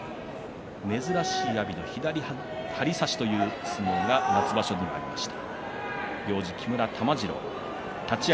珍しい阿炎の左張り差しという相撲が夏場所にありました。